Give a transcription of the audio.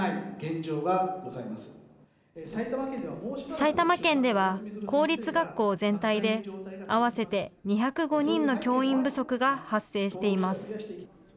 埼玉県では、公立学校全体で合わせて２０５人の教員不足が発生しています。